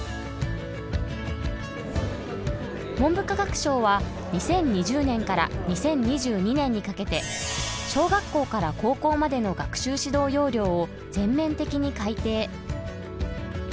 文部科学省は２０２０年から２０２２年にかけて小学校から高校までの学習指導要領を全面的に改訂。